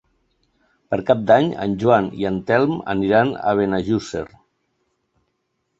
Per Cap d'Any en Joan i en Telm aniran a Benejússer.